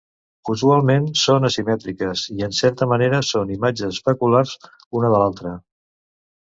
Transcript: Usualment són asimètriques i, en certa manera, són imatges especulars una de l'altra.